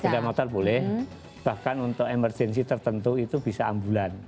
sepeda motor boleh bahkan untuk emergensi tertentu itu bisa ambulan